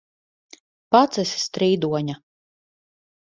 Pats esi strīdoņa!